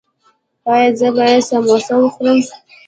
ایا زه باید سموسه وخورم؟